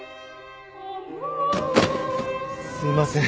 すいません